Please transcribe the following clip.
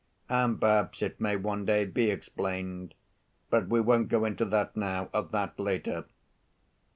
And perhaps it may one day be explained. But we won't go into that now. Of that later.